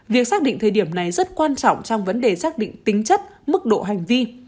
việc xác định thời điểm này rất quan trọng trong vấn đề xác định tính chất mức độ hành vi